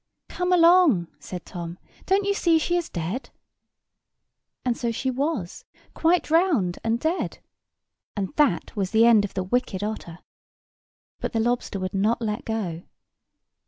"Come along," said Tom; "don't you see she is dead?" And so she was, quite drowned and dead. And that was the end of the wicked otter. But the lobster would not let go.